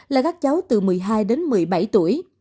là các cháu từ một mươi hai đến một mươi bảy tuổi